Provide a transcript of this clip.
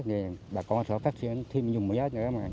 thì bà con sẽ phát triển thêm dùng mía